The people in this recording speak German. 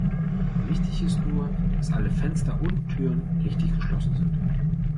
Wichtig ist nur, dass alle Fenster und Türen richtig geschlossen sind.